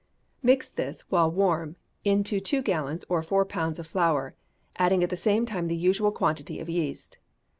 Mix this, while warm, into two gallons or four pounds of flour, adding at the same time the usual quantity of yeast.